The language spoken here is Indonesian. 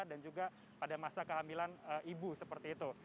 dan juga pada masa kehamilan ibu seperti itu